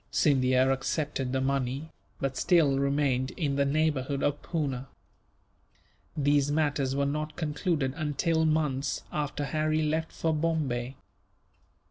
Scindia accepted the money, but still remained in the neighbourhood of Poona. These matters were not concluded until months after Harry left for Bombay.